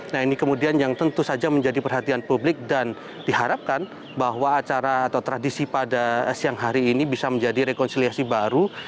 nah ini kemudian yang tentu saja menjadi perhatian publik dan diharapkan bahwa acara atau tradisi pada siang hari ini bisa menjadi rekonsiliasi baru